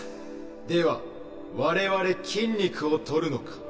では我々筋肉を取るのか？